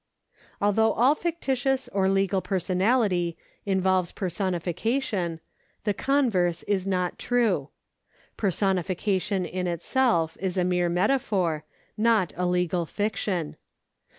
Although all fictitious or legal personality involves per sonification, the converse is not true. Personification in itself is a mere metaphor, not a legal fiction.